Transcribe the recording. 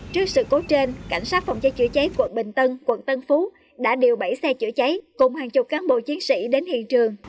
trước sự cố trên cảnh sát phòng cháy chữa cháy quận bình tân quận tân phú đã điều bảy xe chữa cháy cùng hàng chục cán bộ chiến sĩ đến hiện trường